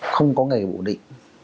không có nghề ổn định